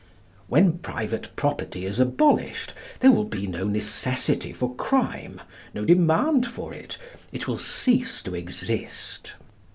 When private property is abolished there will be no necessity for crime, no demand for it; it will cease to exist.